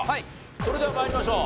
それでは参りましょう。